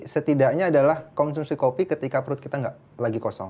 setidaknya adalah konsumsi kopi ketika perut kita tidak lagi kosong